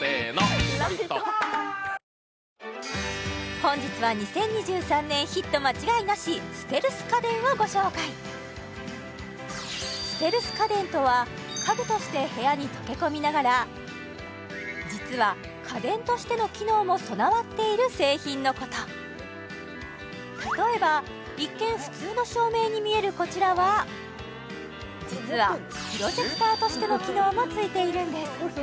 本日は２０２３年ヒット間違いなしステルス家電をご紹介ステルス家電とは家具として部屋に溶け込みながら実は家電としての機能も備わっている製品のこと例えば一見普通の照明に見えるこちらはとしての機能も付いているんです